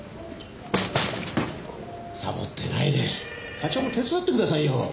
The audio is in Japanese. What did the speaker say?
さぼってないで課長も手伝ってくださいよ。